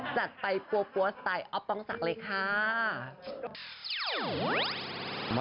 จัดไปปัวสไตล์อ๊อปป้องศักดิ์เลยค่ะ